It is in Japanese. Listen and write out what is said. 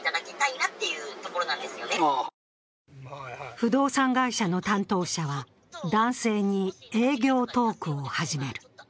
不動産会社の担当者は男性に、営業トークを始める。